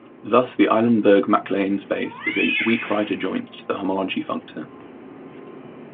Thus, the Eilenberg-MacLane space is a "weak right adjoint" to the homology functor.